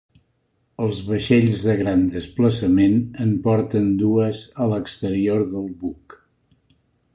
Els vaixells de gran desplaçament en porten dues a l'exterior del buc.